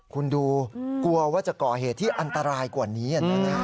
คุณดูกลัวว่าจะก่อเหตุที่อันตรายกว่านี้